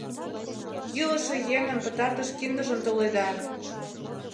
Йӱлышӧ еҥын пытартыш киндыжым толеда!